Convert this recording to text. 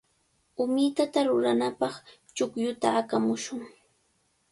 Umitata ruranapaq chuqlluta aqamushun.